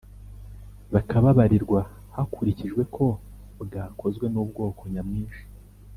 bukababarirwa hakurikijwe ko bwakozwe n'ubwoko nyamwinshi